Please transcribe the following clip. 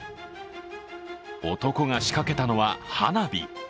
男が仕掛けたのは、花火。